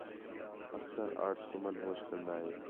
اکثر آرٹس تُمن ہوچ کندہ ہِے